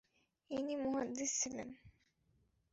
ইনি মুহাদ্দিস ছিলেন।